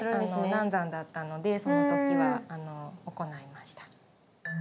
難産だったのでその時は行いました。